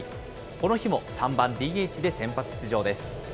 この日も３番ＤＨで先発出場です。